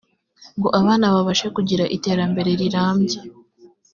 ngo abana babashe kugira iterambere rirambye